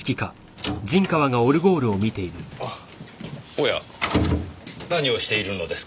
おや何をしているのですか？